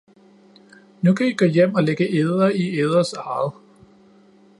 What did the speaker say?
Nu kan i gå hjem og lægge eder i eders eget